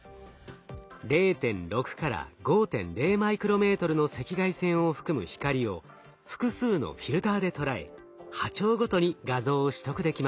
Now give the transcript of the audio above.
０．６５．０マイクロメートルの赤外線を含む光を複数のフィルターで捉え波長ごとに画像を取得できます。